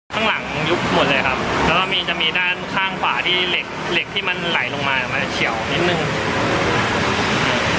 ข้างหลังยุบหมดเลยครับแล้วก็มีจะมีด้านข้างขวาที่เหล็กเหล็กที่มันไหลลงมามันจะเฉียวนิดนึง